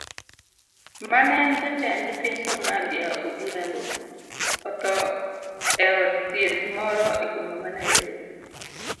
Mane en jatend piny Somalia Odhiambo otho eod thieth moro eboma ma Nairobi.